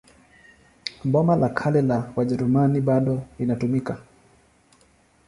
Boma la Kale la Wajerumani bado inatumika.